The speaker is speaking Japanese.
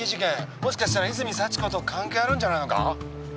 もしかしたら泉幸子と関係あるんじゃないのか？